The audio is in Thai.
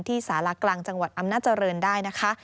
สารากลางจังหวัดอำนาจริงได้นะคะ